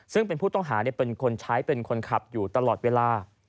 ซึ่งเป็นผู้ต้องหาเป็นคนใช้เป็นคนขับอยู่ตลอดเวลา